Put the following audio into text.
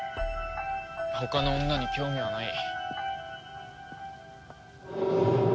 他の女に興味はない。